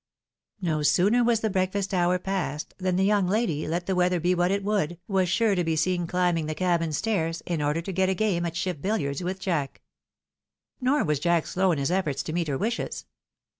No sooner was the breakfast hour passed, than the young lady, let the weather be what it would, was sure to be seen climbing the cabin stairs, in order to get a game at ship biUiards with Jack. Nor was Jack slow in his efforts to meet her wishes.